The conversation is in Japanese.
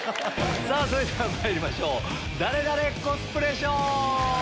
それではまいりましょう「ダレダレ？コスプレショー」。